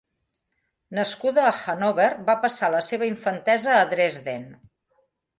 Nascuda a Hannover, va passar la seva infantesa a Dresden.